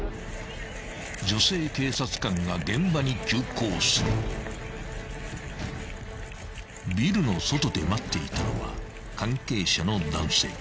［女性警察官が現場に急行する］［ビルの外で待っていたのは関係者の男性］